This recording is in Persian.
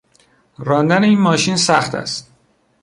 راندن این ماشین سخت است.